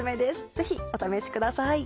ぜひお試しください。